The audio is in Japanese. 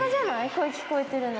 声聞こえてるの。